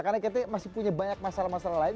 karena kita masih punya banyak masalah masalah lain